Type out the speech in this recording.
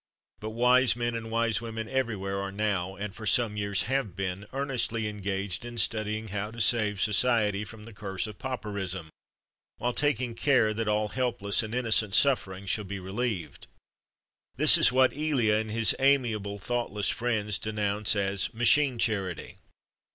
But wise men and wise women everywhere are now, and for some years have been, earnestly engaged in studying how to save society from the curse of pauperism, while taking care that all helpless and innocent suffering shall be relieved. This is what Elia and his amiable, thoughtless friends denounce as "machine charity."